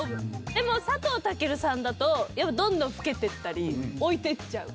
でも佐藤健さんだとやっぱどんどん老けていったり老いてっちゃう。